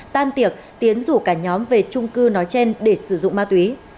tan tiệc tiến rủ cả nhóm về trung cư nói trên để sử dụng ma túy